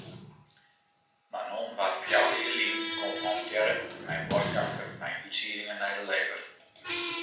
Manon waard fjouwer jier lyn konfrontearre mei boarstkanker mei útsieddingen nei de lever.